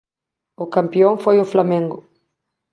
O campión foi o Flamengo.